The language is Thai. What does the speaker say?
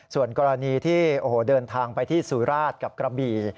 ส่วนกรณีที่เดินทางไปที่สุราชกับกระบี่